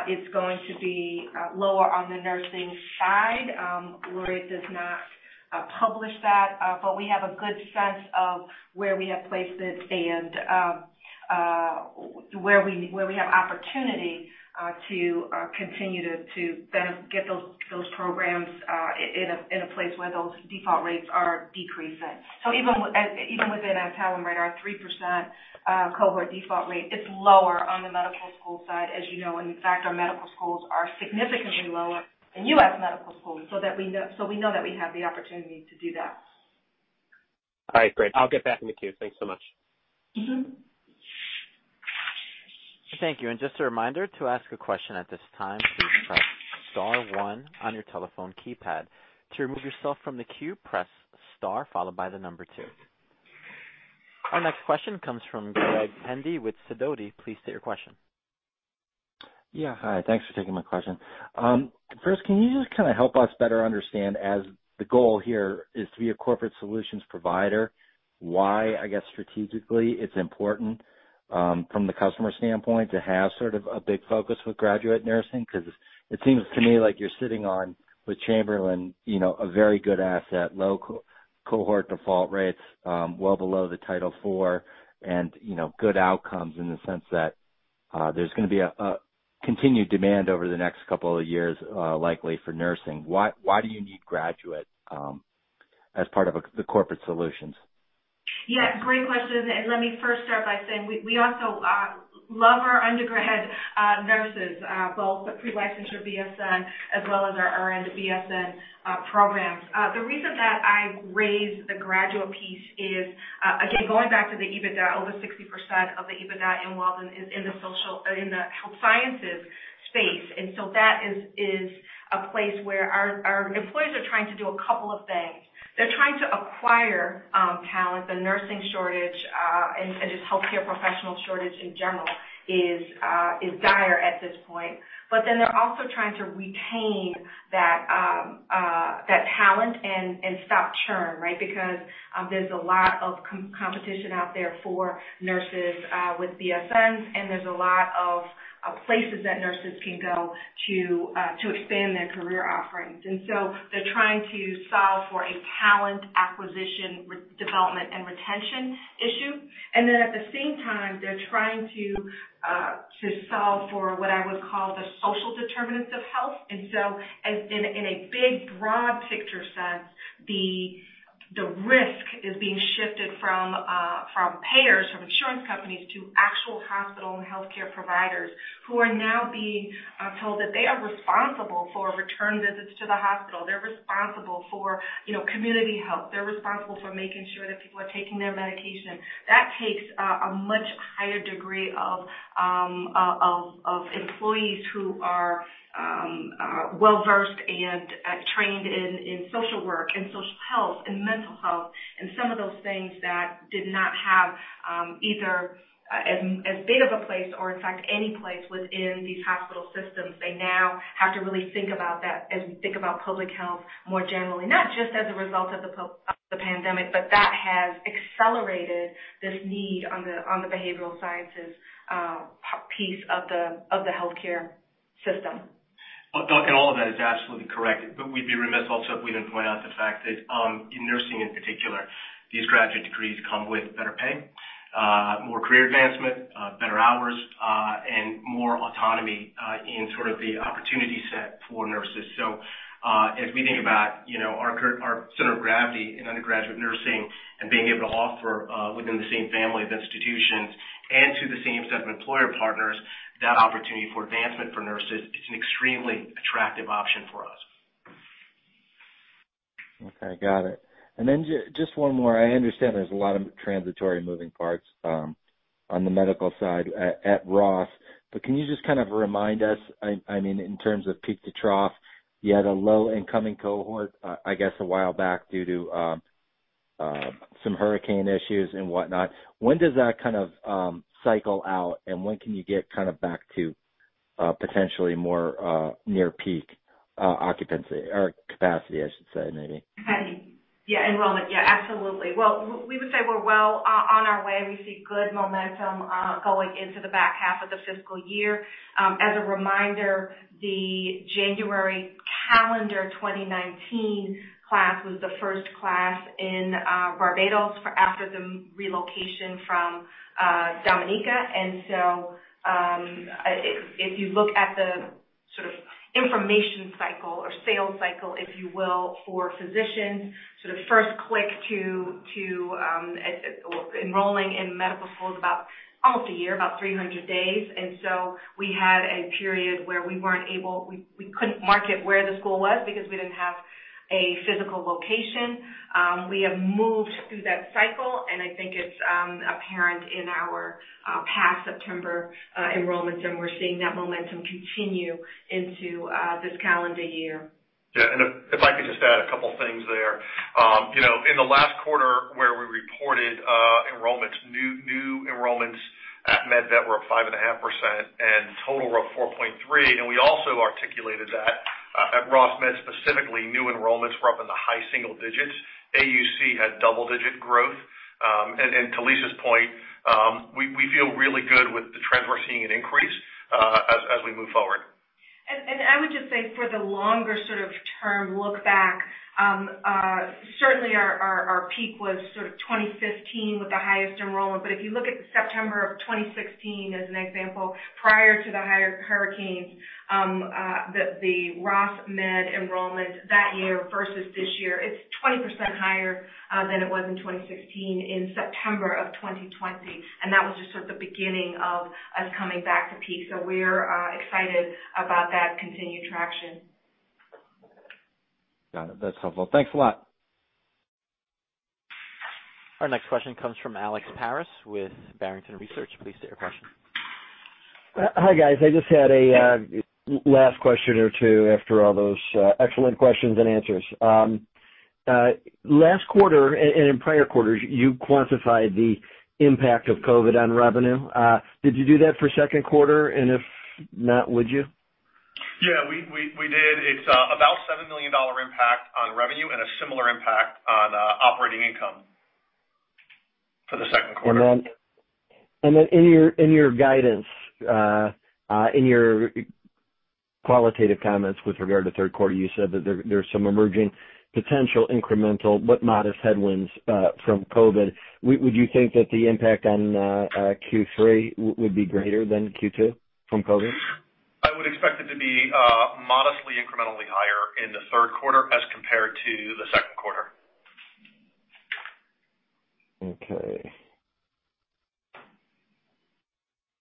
it's going to be lower on the nursing side. Laureate does not publish that, but we have a good sense of where we have placed it and where we have opportunity to continue to then get those programs in a place where those default rates are decreasing. Even within Adtalem, our 3% cohort default rate is lower on the medical school side, as you know. In fact, our medical schools are significantly lower than U.S. medical schools. We know that we have the opportunity to do that. All right, great. I'll get back with you. Thanks so much. Thank you. Our next question comes from Greg Pendy with Sidoti. Please state your question. Hi, thanks for taking my question. First, can you just kind of help us better understand, as the goal here is to be a corporate solutions provider, why, I guess, strategically it's important from the customer standpoint to have sort of a big focus with graduate nursing? Because it seems to me like you're sitting on, with Chamberlain, a very good asset. Low cohort default rates, well below the Title IV, and good outcomes in the sense that there's going to be a continued demand over the next couple of years likely for nursing. Why do you need graduate as part of the corporate solutions? Yeah, great question. Let me first start by saying we also love our undergrad nurses, both the pre-licensure BSN as well as our RN to BSN programs. The reason that I raise the graduate piece is, again, going back to the EBITDA, over 60% of the EBITDA in Walden is in the health sciences space. That is a place where our employers are trying to do a couple of things. They're trying to acquire talent. The nursing shortage and just healthcare professional shortage in general is dire at this point. They're also trying to retain that talent and stop churn, right? Because there's a lot of competition out there for nurses with BSNs, and there's a lot of places that nurses can go to expand their career offerings. They're trying to solve for a talent acquisition development and retention issue. At the same time, they're trying to solve for what I would call the social determinants of health. In a big broad picture sense, the risk is being shifted from payers, from insurance companies to actual hospital and healthcare providers who are now being told that they are responsible for return visits to the hospital. They're responsible for community health. They're responsible for making sure that people are taking their medication. That takes a much higher degree of employees who are well-versed and trained in social work and social health and mental health, and some of those things that did not have either as big of a place or in fact, any place within these hospital systems. They now have to really think about that as we think about public health more generally. Not just as a result of the pandemic, but that has accelerated this need on the behavioral sciences piece of the healthcare system. All of that is absolutely correct. We'd be remiss also if we didn't point out the fact that in nursing in particular, these graduate degrees come with better pay, more career advancement, better hours, and more autonomy in sort of the opportunity set for nurses. As we think about our center of gravity in undergraduate nursing and being able to offer within the same family of institutions and to the same set of employer partners, that opportunity for advancement for nurses is an extremely attractive option for us. Okay, got it. Just one more. I understand there's a lot of transitory moving parts on the medical side at Ross. Can you just kind of remind us, in terms of peak to trough, you had a low incoming cohort, I guess, a while back due to some hurricane issues and whatnot? When does that kind of cycle out, when can you get back to potentially more near peak occupancy or capacity, I should say maybe? Okay. Yeah, enrollment. Yeah, absolutely. Well, we would say we're well on our way. We see good momentum going into the back half of the fiscal year. As a reminder, the January calendar 2019 class was the first class in Barbados after the relocation from Dominica. If you look at the sort of information cycle or sales cycle, if you will, for physicians to first click to enrolling in medical school is about almost a year, about 300 days. We had a period where we couldn't market where the school was because we didn't have a physical location. We have moved through that cycle, and I think it's apparent in our past September enrollments, and we're seeing that momentum continue into this calendar year. Yeah. If I could just add a couple things there. In the last quarter where we reported enrollments, new enrollments at MedVet were 5.5% and total were 4.3%. We also articulated that at Ross Med, specifically, new enrollments were up in the high single-digits. AUC had double-digit growth. To Lisa's point, we feel really good with the trends we're seeing an increase as we move forward. I would just say for the longer sort of term look back, certainly our peak was sort of 2015 with the highest enrollment. If you look at September of 2016 as an example, prior to the hurricanes, the Ross Med enrollment that year versus this year, it's 20% higher than it was in 2016 in September of 2020. That was just sort of the beginning of us coming back to peak. We're excited about that continued traction. Got it. That's helpful. Thanks a lot. Our next question comes from Alex Paris with Barrington Research. Please state your question. Hi, guys. I just had a last question or two after all those excellent questions and answers. Last quarter and in prior quarters, you quantified the impact of COVID on revenue. Did you do that for second quarter? If not, would you? Yeah, we did. It's about $7 million impact on revenue and a similar impact on operating income for the second quarter. In your guidance, in your qualitative comments with regard to third quarter, you said that there's some emerging potential incremental but modest headwinds from COVID. Would you think that the impact on Q3 would be greater than Q2 from COVID? I would expect it to be modestly incrementally higher in the third quarter as compared to the second quarter. Okay.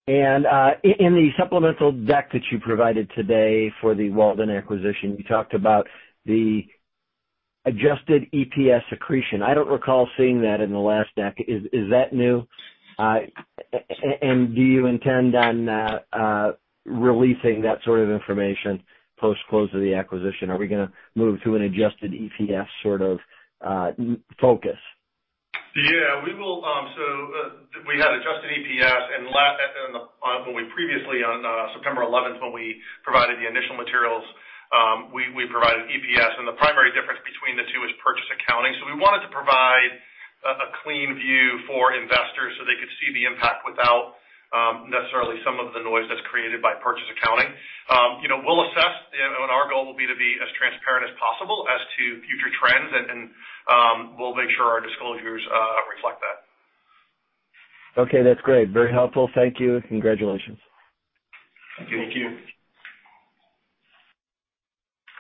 In the supplemental deck that you provided today for the Walden acquisition, you talked about the adjusted EPS accretion. I don't recall seeing that in the last deck. Is that new? Do you intend on releasing that sort of information post-close of the acquisition? Are we going to move to an adjusted EPS sort of focus? Yeah, we will. We had adjusted EPS, and when we previously, on September 11th, when we provided the initial materials, we provided EPS. The primary difference between the two is purchase accounting. We wanted to provide a clean view for investors so they could see the impact without necessarily some of the noise that's created by purchase accounting. We'll assess, and our goal will be to be as transparent as possible as to future trends, and we'll make sure our disclosures reflect that. Okay. That's great. Very helpful. Thank you. Congratulations. Thank you.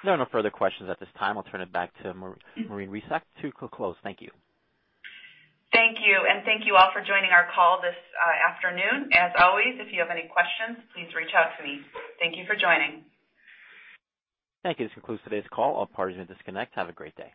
There are no further questions at this time. I'll turn it back to Maureen Resac to close. Thank you. Thank you. Thank you all for joining our call this afternoon. As always, if you have any questions, please reach out to me. Thank you for joining. Thank you. This concludes today's call. All parties may disconnect. Have a great day.